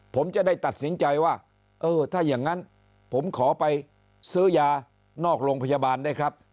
ผมจะได้ตัดสินใจว่าเออถ้าอย่างนั้นผมขอไปซื้อยานอกโรงพยาบาลได้ครับ